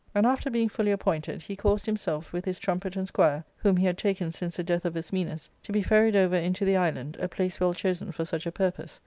And after being fully appointed, he caused himself, with his trumpet and squire whom he had taken since the death of Ismenus, to be • ferried over into the island, a place well chosen for such a purpose.